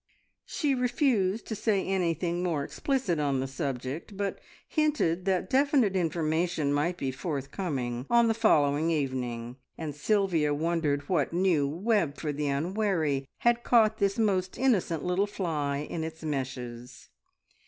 She refused to say anything more explicit on the subject, but hinted that definite information might be forthcoming on the following evening, and Sylvia wondered what new web for the unwary had caught this most innocent little fly in its meshes.